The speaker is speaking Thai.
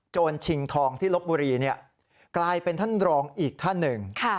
ชิงทองที่ลบบุรีกลายเป็นท่านรองอีกท่านหนึ่ง